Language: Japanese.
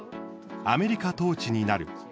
「アメリカ統治になる」